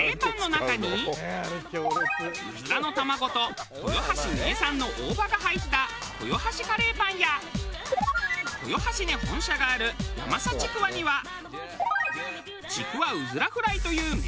うずらの卵と豊橋名産の大葉が入った豊橋カレーパンや豊橋に本社があるヤマサちくわには竹輪うずらフライという名物が。